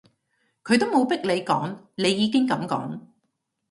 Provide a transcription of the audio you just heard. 佢都冇逼你講，你已經噉講